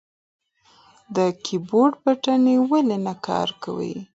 د کیبورډ بټنې ولې نه کار کوي؟